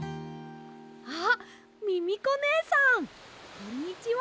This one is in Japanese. あっミミコねえさんこんにちは！